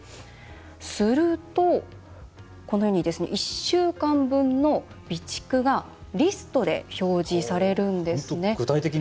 すると１週間分の備蓄がリストで表示されるんですね。